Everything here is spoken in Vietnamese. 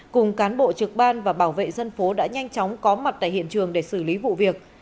cùng cán bộ trực ban và bảo vệ dân phố đã nhanh chóng có mặt tại hiện trường để xử lý vụ việc